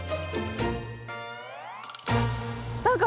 何か。